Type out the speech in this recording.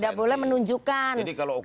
tidak boleh menunjukkan keberpihakannya